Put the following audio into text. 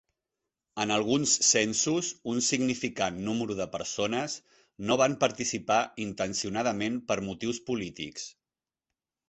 En alguns censos, un significant número de persones no van participar intencionadament per motius polítics.